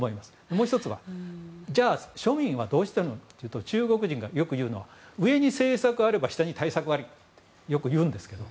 もう１つは庶民はどうしてるのかというと中国人がよく言うのは上に政策あれば下に対策ありってよく言うんですけど。